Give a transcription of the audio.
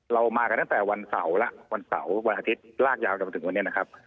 เรามากันตั้งแต่วันเสาร์และวันเสาร์วันอาทิตย์ลากยาวจนมาถึงวันนี้นะครับ